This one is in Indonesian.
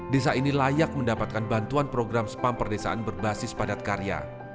desa ini layak mendapatkan bantuan program spam perdesaan berbasis padat karya